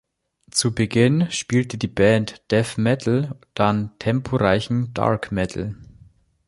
Zu Beginn spielte die Band Death Metal, dann temporeichen Dark Metal.